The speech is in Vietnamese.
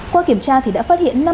qua kiểm tra đã phát hiện